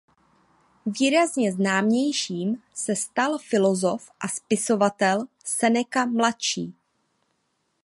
Výrazně známějším se stal filosof a spisovatel Seneca mladší.